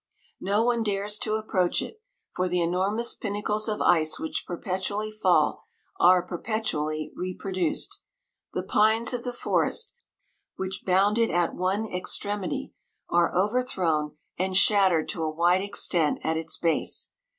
No one dares to approach it; for the enormous pinnacles of ice which perpetually fall, are perpetually repro duced. The pines of the forest, which bound it at one extremity, are over thrown and shattered to a wide extent at its base.